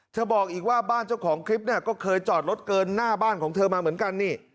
บอกอีกว่าบ้านเจ้าของคลิปเนี่ยก็เคยจอดรถเกินหน้าบ้านของเธอมาเหมือนกันนี่